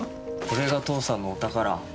これが父さんのお宝。